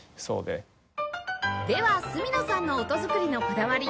では角野さんの音作りのこだわり